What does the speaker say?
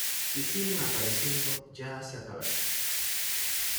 Si siguen apareciendo, ya se acabarán.